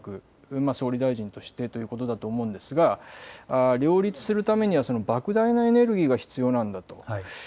総理大臣としてということだと思うのですが両立するためにはばく大なエネルギーが必要なんだと。